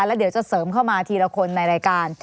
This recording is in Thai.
แล้วเดี๋ยวจะเสริมเข้ามาทีละคนในรายการ